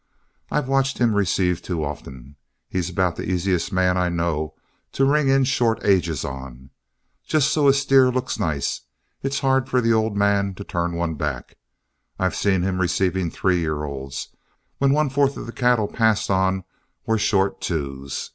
I've watched him receive too often; he's about the easiest man I know to ring in short ages on. Just so a steer looks nice, it's hard for the old man to turn one back. I've seen him receiving three year olds, when one fourth of the cattle passed on were short twos.